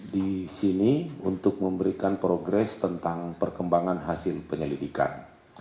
di sini untuk memberikan progres tentang perkembangan hasil penyelidikan